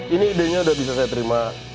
ini idenya udah bisa saya terima